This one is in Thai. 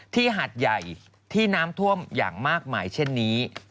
หาดใหญ่ที่น้ำท่วมอย่างมากมายเช่นนี้